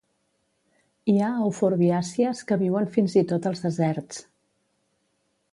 Hi ha euforbiàcies que viuen fins i tot als deserts.